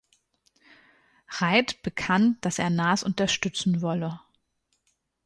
Reid bekannt, dass er Nas unterstützen wolle.